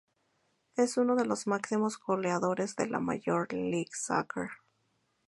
Es uno de los máximos goleadores de la Major League Soccer.